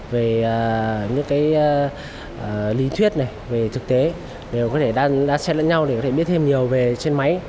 về những cái lý thuyết này về thực tế đều có thể xem lẫn nhau để có thể biết thêm nhiều về trên máy